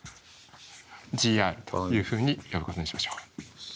「ＧＲ」というふうに呼ぶことにしましょう。